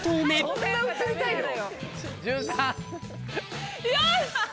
そんな映りたいの？